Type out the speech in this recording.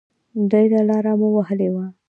ډېره لاره مو وهلې وه.